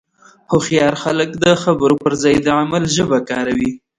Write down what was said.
هوښیار خلک د خبرو پر ځای د عمل ژبه کاروي.